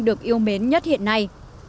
được yêu mến nhất hiện nay